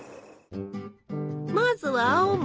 まずは青森。